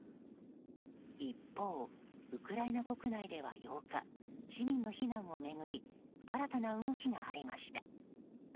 一方、ウクライナ国内では８日市民の避難を巡り新たな動きがありました。